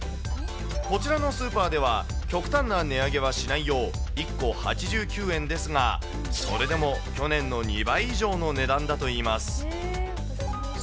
こちらのスーパーでは、極端な値上げはしないよう、１個８９円ですが、それでも去年の２倍以上の値段だといいます。